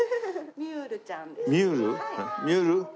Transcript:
ミュール？